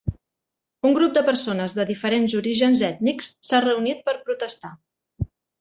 Un grup de persones de diferents orígens ètnics s'han reunit per protestar